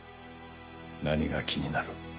何が気になる？